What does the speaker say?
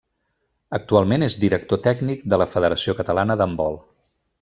Actualment és director tècnic de la Federació Catalana d'Handbol.